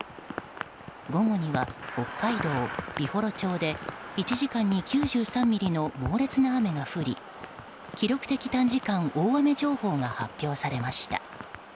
午後には北海道美幌町で１時間に９３ミリの猛烈な雨が降り記録的短時間大雨情報が発表されました。